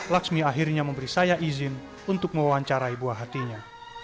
laksmi akhirnya memberi saya izin untuk mewawancarai buah hatinya